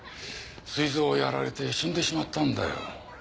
膵臓をやられて死んでしまったんだよ。